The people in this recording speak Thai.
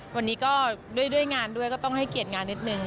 วันนี้ก็ด้วยงานด้วยก็ต้องให้เกียรติงานนิดนึง